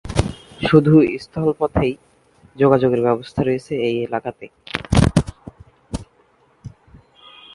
শুধু স্থল পথেই যোগাযোগের ব্যবস্থা রয়েছে এই এলাকাতে।